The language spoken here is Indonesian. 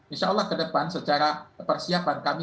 insya allah ke depan secara persiapan kami